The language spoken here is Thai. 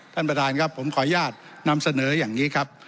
ท่านประธานครับผมขออนุญาตนำเสนออย่างนี้ครับ